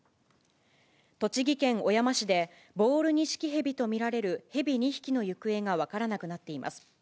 栃木県小山市で、ボールニシキヘビと見られるヘビ２匹の行方が分からなくなっています。